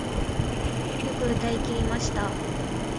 よく歌い切りました